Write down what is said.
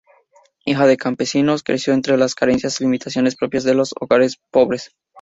Hijo de campesinos, creció entre las carencias y limitaciones propias de los hogares pobres.